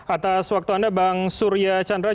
atas waktu anda bang surya chandra